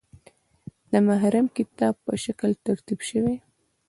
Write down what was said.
د محرم کتاب په شکل ترتیب شوی.